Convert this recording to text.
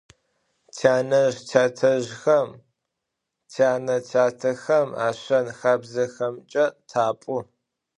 Tyanezj - tyatezjxem, tyane - tyatexem a şşen - xabzexemç'e tap'u.